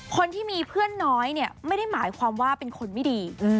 คนที่มีเพื่อนน้อยเนี่ยไม่ได้หมายความว่าเป็นคนไม่ดี